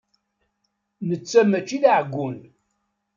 Netta mačči d aɛeggun.